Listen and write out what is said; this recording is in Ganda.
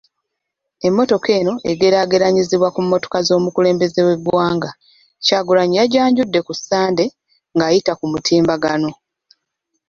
Emmotoka eno egeraageranyizibwa ku mmotoka z'omukulembeze w'eggwanga, Kyagulanyi yajanjudde ku Ssande ng'ayita ku mutimbagano.